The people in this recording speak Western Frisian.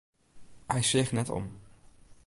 Hy seach net om.